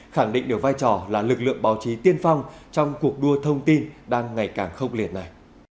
khẳng định được vai trò là lực lượng báo chí tiên phong trong cuộc đua thông tin đang ngày càng khốc liệt này